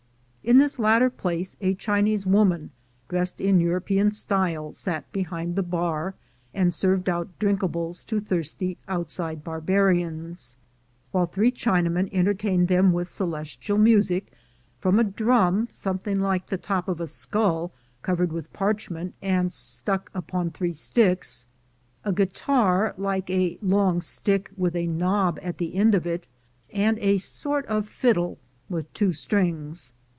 In this latter place a Chinese woman, dressed in European style, sat behind the bar and served out drinkables to thirsty outside barbarians, while three Chinamen entertained them with celestial music from a drum something like the top of a skull covered with parchment and stuck upon three sticks, a guitar like a long stick with a knob at the end of it, and a sort of fiddle with two strings.